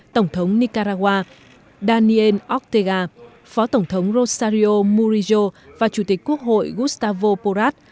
tổng thống nicaragua daniel ortega phó tổng thống rosario murillo và chủ tịch quốc hội gustavo porat